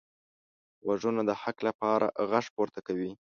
غوږونه د حق لپاره غږ پورته کوي